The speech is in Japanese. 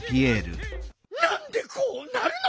なんでこうなるの！